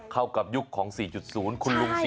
เข้ากับยุคของ๔๐คุณลุง๔๐